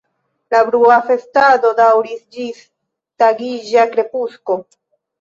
La brua festado daŭris ĝis tagiĝa krepusko.